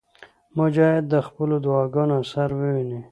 مجاهد د خپلو دعاګانو اثر ویني.